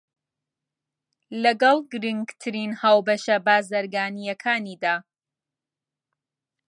لەگەڵ گرنگترین هاوبەشە بازرگانییەکانیدا